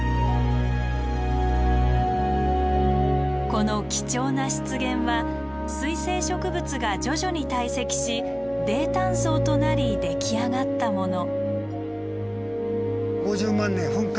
この貴重な湿原は水生植物が徐々に堆積し泥炭層となり出来上がったもの。